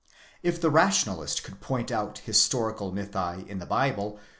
If the Rationalist could point out historical mythi in the Bible